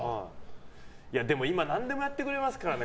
でも、今何でもやってくれますからね。